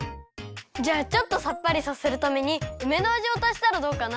じゃあちょっとさっぱりさせるためにうめのあじをたしたらどうかな？